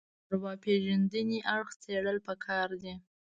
له ارواپېژندنې اړخ څېړل پکار دي